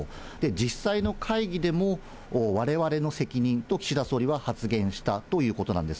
実際の会議でも、われわれの責任と岸田総理は発言したということなんです。